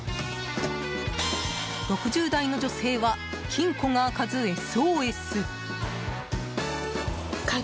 ６０代の女性は金庫が開かず、ＳＯＳ。